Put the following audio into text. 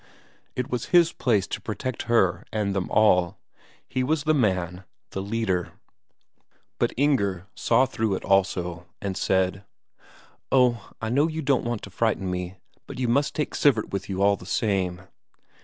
It was his place to protect her and them all; he was the Man, the Leader. But Inger saw through it also, and said: "Oh, I know you don't want to frighten me. But you must take Sivert with you all the same."